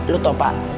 lo tau pak